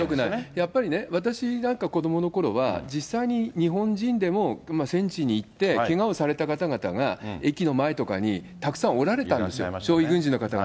やっぱりね、私なんか子どものころは、実際に日本人でも戦地に行ってけがをされた方々が駅の前とかにたくさんおられたんですよ、傷痍軍人の方々。